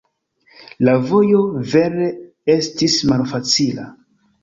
La vojo vere estis malfacila.